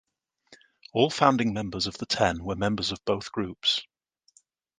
All founding members of The Ten were members of both groups.